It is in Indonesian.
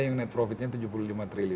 yang net profitnya tujuh puluh lima triliun